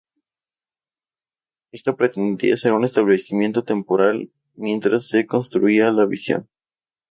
Ésta pretendía ser un establecimiento temporal mientras se construía la visión.